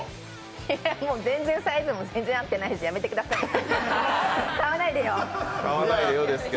いや、もう全然サイズも合ってないしやめてください買わないでよ。